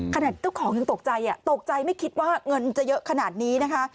เจ้าของยังตกใจตกใจไม่คิดว่าเงินจะเยอะขนาดนี้นะคะ